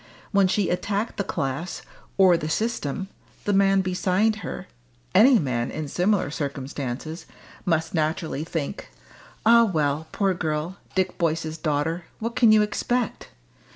When she attacked the class, or the system, the man beside her any man in similar circumstances must naturally think: "Ah, well, poor girl Dick Boyce's daughter what can you expect?"